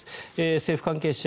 政府関係者